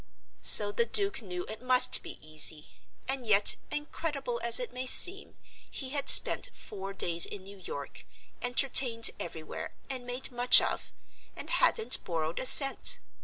So the Duke knew it must be easy. And yet, incredible as it may seem, he had spent four days in New York, entertained everywhere, and made much of, and hadn't borrowed a cent.